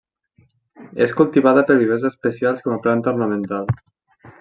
És cultivada per vivers especials com a planta ornamental.